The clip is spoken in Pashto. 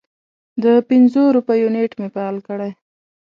د پنځو روپیو نیټ مې فعال کړی